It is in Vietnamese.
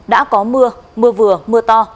đã có mưa mưa vừa mưa to